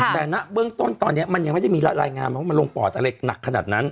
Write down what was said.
แต่ณเบื้องต้นตอนนี้มันยังไม่ได้มีรายงานว่ามันลงปอดอะไรหนักขนาดนั้น